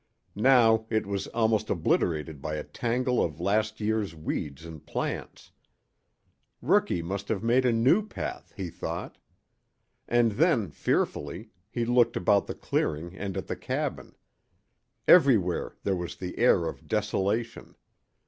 Now it was almost obliterated by a tangle of last year's weeds and plants. Rookie must have made a new path, he thought. And then, fearfully, he looked about the clearing and at the cabin. Everywhere there was the air of desolation.